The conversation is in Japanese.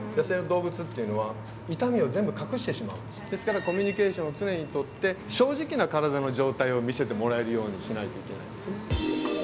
ですからコミュニケーションを常にとって正直な体の状態を見せてもらえるようにしないといけないんですね。